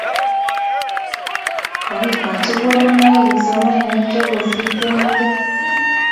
Kokikochi konunoik kipsomaninik che kosir tyemutik